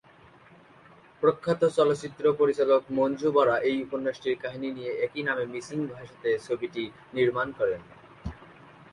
প্রখ্যাত চলচ্চিত্র পরিচালক মঞ্জু বরা এই উপন্যাসটির কাহিনী নিয়ে একি নামে মিসিং ভাষাতে ছবিটি নির্মান করেন।